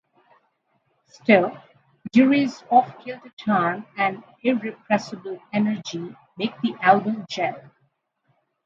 Still, Dury's off-kilter charm and irrepressible energy make the album gel.